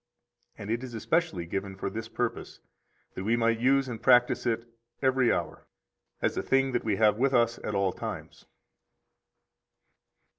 And it is especially given for this purpose, that we might use and practise it every hour, as a thing that we have with us at all times.